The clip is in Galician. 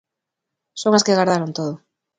Son as que gardaron todo.